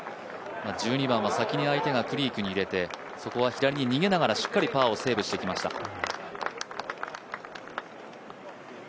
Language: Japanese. １２番先に相手がクリークに入れて、そこは左に逃げながらしっかりパーをセーブしてきました。